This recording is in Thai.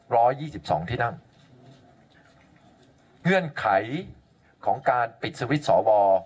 ยี่สิบสองที่นั่งเงื่อนไขของการปิดสวิตช์สอวอ